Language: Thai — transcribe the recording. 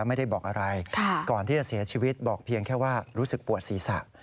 ไม่ได้บอกอะไรก่อนที่จะเสียชีวิตบอกเพียงแค่ว่ารู้สึกปวดศีรษะ